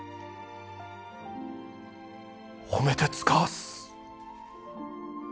褒めてつかわす。